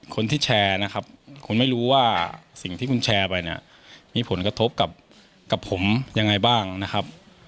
คนที่แชร์นะครับคุณไม่รู้ว่าสิ่งที่คุณแชร์ไปเนี่ยมีผลกระทบกับผมยังไงบ้างนะครับ